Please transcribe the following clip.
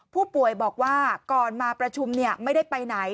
ผู้ป่วยบอกว่าก่อนมาประชุมไม่ได้ไปไหน